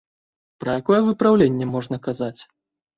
Пра якое выпраўленне можна казаць?